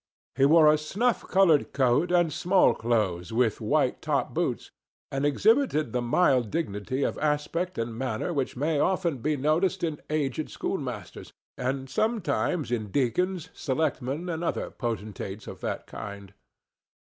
He wore a snuff colored coat and small clothes, with white top boots, and exhibited the mild dignity of aspect and manner which may often be noticed in aged schoolmasters, and sometimes in deacons, selectmen or other potentates of that kind.